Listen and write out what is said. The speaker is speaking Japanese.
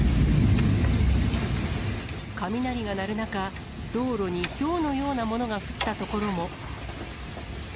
雷が鳴る中、道路にひょうのようなものが降った所も。